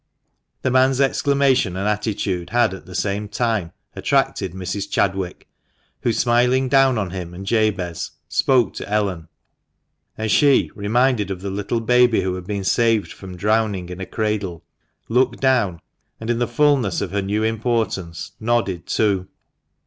The man's exclamation and attitude had at the same time attracted Mrs. Chadwick, who, smiling down on him and Jabez, c2 THE MANCHESTER MAN. spoke to Ellen ; and she, reminded of the little baby who had been saved from drowning in a cradle, looked down and, in the fulness of her new importance, nodded too.